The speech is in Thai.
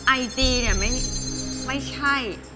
ไอจีเนี่ยไม่ใช่